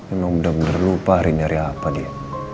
emang benar benar lupa hari ini hari apa dia